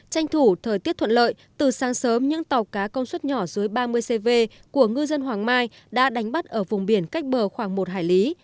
tranh thủ thời tiết thuận lợi từ sáng sớm những tàu cá công suất nhỏ dưới ba mươi cv của ngư dân hoàng mai đã đánh bắt ở vùng biển cách bờ khoảng một hải lý